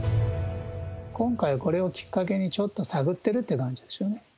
今回、これをきっかけにちょっと探ってるって感じですね。